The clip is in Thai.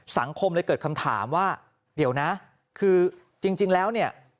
สังคมเลยเกิดคำถามว่าเดี๋ยวนะคือจริงแล้วเนี่ย